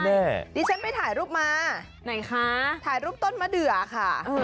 ดิฉันไปถ่ายรูปมาถ่ายรูปต้นมะเดือค่ะ